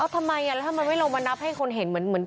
ทำไมถ้ามันไม่ลงมานับให้ทุกคนเห็นเหมือนที่เขตอื่น